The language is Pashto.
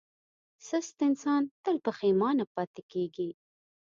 سست انسان تل پښېمانه پاتې کېږي.